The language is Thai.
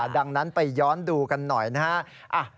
ดังนั้นไปย้อนดูกันหน่อยนะฮะ